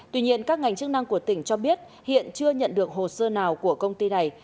tuy nhiên các ngành chức năng của tỉnh cho biết hiện chưa nhận được hồ sơ nào của công ty này